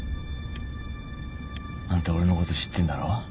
あんた俺のこと知ってんだろ？